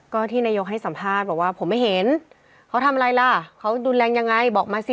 ก็ที่นายกให้สัมภาษณ์บอกว่าผมไม่เห็นเขาทำอะไรล่ะเขารุนแรงยังไงบอกมาสิ